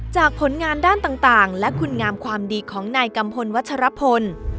ผลงานด้านต่างและคุณงามความดีของนายกัมพลวัชรพล